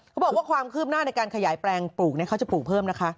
เขาบอกว่าความคลิบหน้าในการขยายแปลงปลูกเขาจะปลูกเพิ่ม